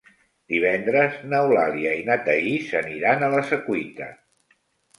Divendres n'Eulàlia i na Thaís aniran a la Secuita.